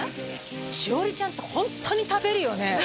栞里ちゃんってホントに食べるよね